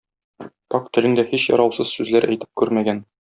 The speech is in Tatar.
Пакь телең дә һич яраусыз сүзләр әйтеп күрмәгән.